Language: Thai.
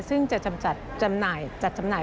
ซึ่งจะจำหน่าย